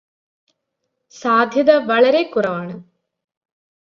സാധ്യത വളരെ കുറവാണ്